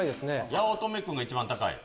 八乙女君が一番高い。